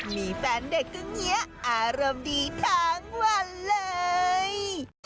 มีแฟนเด็กก็เงียบอารมณ์ดีทั้งวันเลย